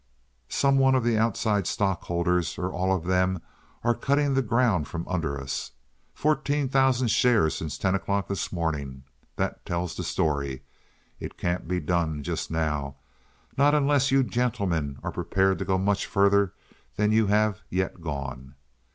Some one of the outside stockholders, or all of them, are cutting the ground from under us. Fourteen thousand shares since ten o'clock this morning! That tells the story. It can't be done just now—not unless you gentlemen are prepared to go much further than you have yet gone.